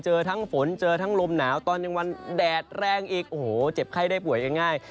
เจอทั้งฝนเจอทั้งลมหนาวตอนกลางวันแดดแรงอีกโอ้โหเจ็บไข้ได้ป่วยง่าย